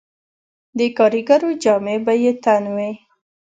د کاریګرو جامې به یې تن وې